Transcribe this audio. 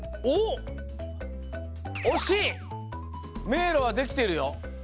めいろはできてるよ。